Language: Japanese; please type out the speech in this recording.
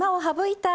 はい！